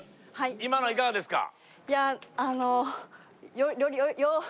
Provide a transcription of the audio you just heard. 今のいかがですか？